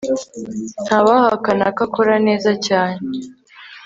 Ntawahakana ko akora neza cyane